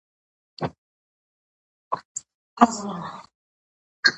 د پرېکړې ځنډ د عدالت زیان دی.